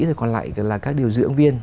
rồi còn lại là các điều dưỡng viên